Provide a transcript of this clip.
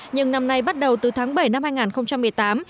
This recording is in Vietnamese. nhưng năm nay bắt đầu từ tháng bảy năm hai nghìn một mươi tám